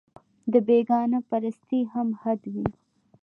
د بېګانه پرستۍ هم حد وي